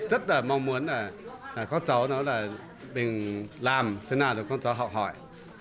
rất là mong muốn là con cháu nói là mình làm thế nào để con cháu học hỏi